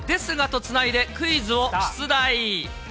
とつないで、クイズを出題。